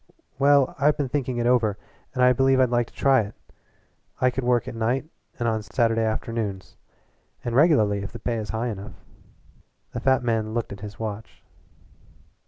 "Well, I've been thinking it over, and I believe I'd like to try it. I could work at night and on Saturday afternoons and regularly if the pay is high enough." The fat men looked at his watch.